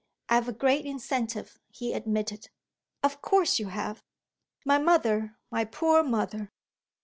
I've a great incentive," he admitted. "Of course you have." "My mother, my poor mother."